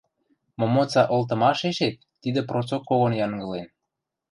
Момоца олтымашешет тидӹ процок когон янгылен.